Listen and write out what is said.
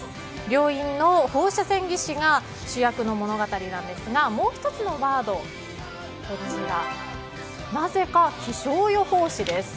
病院の放射線技師が主役の物語なんですがもう１つのワードなぜか気象予報士です。